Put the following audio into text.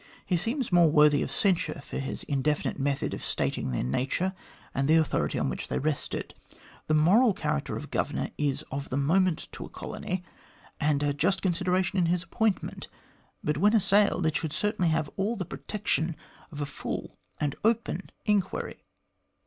He seems more worthy of censure for his indefinite method of stating their nature and the authority on which they rested. The moral character of a Governor is of moment to a colony, and a just consideration in his appointment, but when assailed, it should certainly have all the protection of a full and open inquiry."